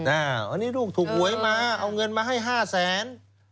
อันนี้ลูกถูกหวยมาเอาเงินมาให้๕แสน